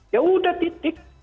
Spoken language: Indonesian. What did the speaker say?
ya udah titik